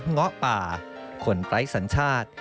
เงาะป่าคนไร้สัญชาติ